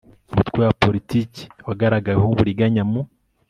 umutwe wa politiki wagaragaweho uburiganya mu